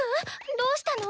どうしたの？